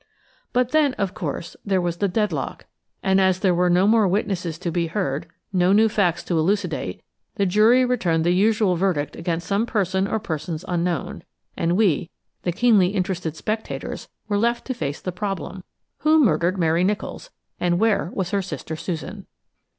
But then, of course, there was the deadlock, and as there were no more witnesses to be heard, no new facts to elucidate, the jury returned the usual verdict against some person or persons unknown; and we, the keenly interested spectators, were left to face the problem–Who murdered Mary Nicholls, and where was her sister Susan?